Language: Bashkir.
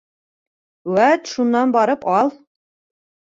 Вәт, шунан барып ал!